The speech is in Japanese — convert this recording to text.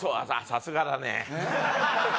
さすがだね。